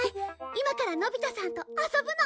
今からのび太さんと遊ぶの。